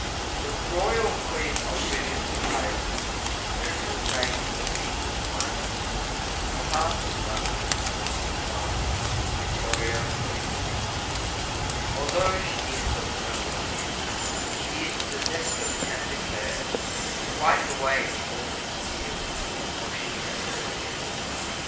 The Royal Queen of Britain's isle Soon will make the people smile, Her heart none can the least defile, Victoria, Queen of England; Although she is of early years, She is possess'd of tender cares, To wipe away the orphan's tears, While she is Queen of England.